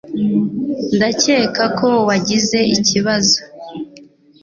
Ndakeka ko wagize ikibazo.